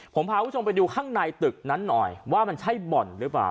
ผมพาคุณผู้ชมไปดูข้างในตึกนั้นหน่อยว่ามันใช่บ่อนหรือเปล่า